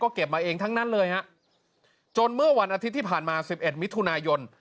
เก็บมาเองทั้งนั้นเลยฮะจนเมื่อวันอาทิตย์ที่ผ่านมา๑๑มิถุนายน